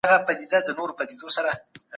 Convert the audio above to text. تږی مه اوسئ اوبه وڅښئ.